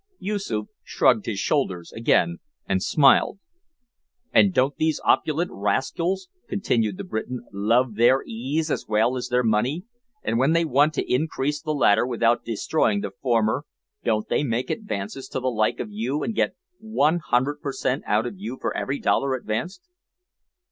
Yoosoof shrugged his shoulders again and smiled. "And don't these opulent rascals," continued the Briton, "love their ease as well as their money, and when they want to increase the latter without destroying the former, don't they make advances to the like of you and get 100 per cent out of you for every dollar advanced?"